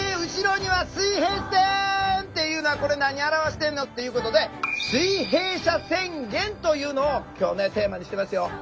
後ろには水平線！っていうのは「これ何表してんの？」っていうことで「水平社宣言」というのを今日ねテーマにしてますよ。